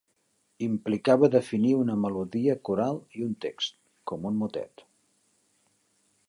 Implicava definir una melodia coral i un text, com un motet.